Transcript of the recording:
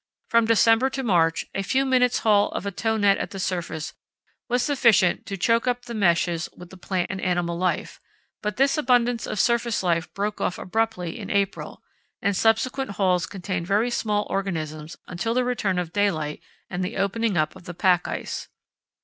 From December to March, a few minutes haul of a tow net at the surface was sufficient to choke up the meshes with the plant and animal life, but this abundance of surface life broke off abruptly in April, and subsequent hauls contained very small organisms until the return of daylight and the opening up of the pack ice.